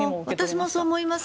私もそう思います。